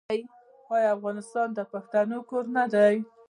آیا افغانستان د پښتنو کور نه دی؟